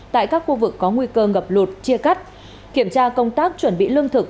tại các khu vực có nguy cơ ngập lụt chia cắt kiểm tra công tác chuẩn bị lương thực